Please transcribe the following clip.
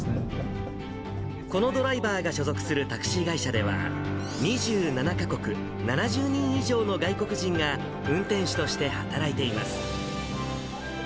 このドライバーが所属するタクシー会社では、２７か国７０人以上の外国人が、運転手として働いています。